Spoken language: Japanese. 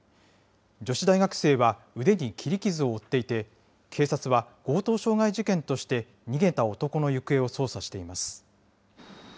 女子大学生は腕に切り傷を負っていて、警察は、強盗傷害事件として、逃げた男の行方を捜査しています。